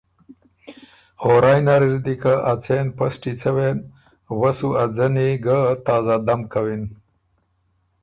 او رای نر اِر دی بو که اڅېن پسټی څوېن، وۀ سو ا ځنی ګه تازه دم کوِن